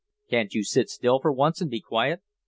"Can't you sit still for once and be quiet?"